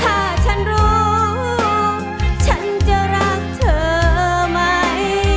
ถ้าฉันรู้ฉันจะรักเธอไหม